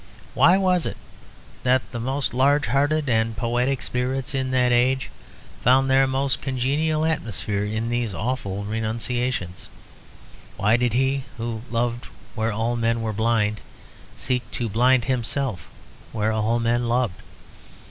Why was it that the most large hearted and poetic spirits in that age found their most congenial atmosphere in these awful renunciations? Why did he who loved where all men were blind, seek to blind himself where all men loved?